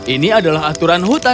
ini adalah aturan